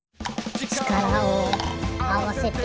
「力をあわせて」